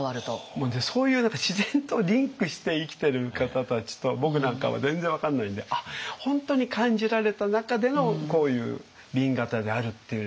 もうねそういう自然とリンクして生きてる方たちと僕なんかは全然分かんないんで本当に感じられた中でのこういう紅型であるっていう。